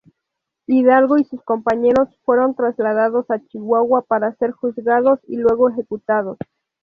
Hidalgo y sus compañeros fueron trasladados a Chihuahua para ser juzgados y luego ejecutados.